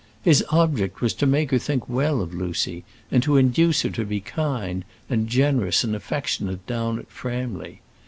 His object was to make her think well of Lucy, and to induce her to be kind, and generous, and affectionate down at Framley.